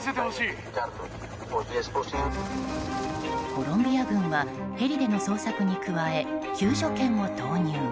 コロンビア軍はヘリでの捜索に加え救助犬を投入。